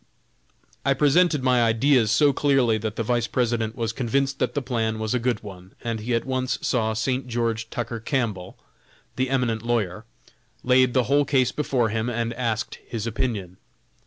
I presented my ideas so clearly that the Vice President was convinced that the plan was a good one, and he at once saw St. George Tucker Campbell, the eminent lawyer, laid the whole case before him and asked his opinion.